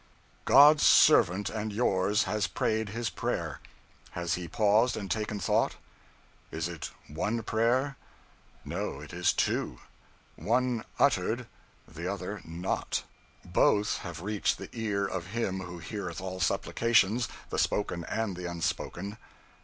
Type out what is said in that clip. "God's servant and yours has prayed his prayer. Has he paused and taken thought? Is it one prayer? No, it is two – one uttered, the other not. Both have reached the ear of Him Who heareth all supplications, the spoken and the unspoken.